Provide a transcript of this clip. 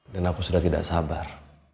dan aku sudah tidak sabar